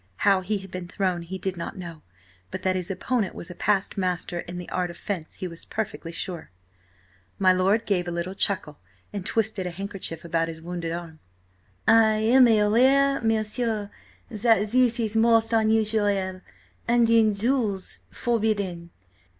How he had been thrown he did not know, but that his opponent was a past master in the art of fence he was perfectly sure. My lord gave a little chuckle and twisted a handkerchief about his wounded arm. "I am aware, m'sieur, that this is most unusual–and, in duels–forbidden.